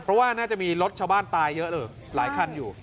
เพราะว่าน่าจะมีรถชาวบ้านตายเยอะเลยหลายคันอยู่